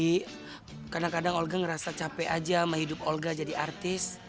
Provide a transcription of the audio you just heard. gak ada apa apa bang opi kadang kadang olga ngerasa capek aja sama hidup olga jadi artis